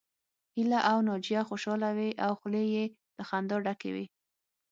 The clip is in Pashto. هيله او ناجيه خوشحاله وې او خولې يې له خندا ډکې وې